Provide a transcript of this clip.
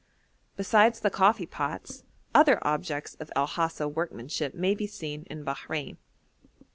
Besides the coffee pots, other objects of El Hasa workmanship may be seen in Bahrein.